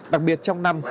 đặc biệt trong năm